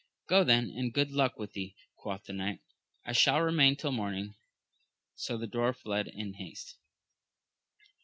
Go then, and good luck go with thee, quoth the knight ; I shall remain till morning. So the dwarf fled in haste.